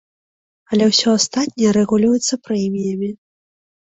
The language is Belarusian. Але ўсё астатняе рэгулюецца прэміямі.